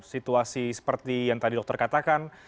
situasi seperti yang tadi dokter katakan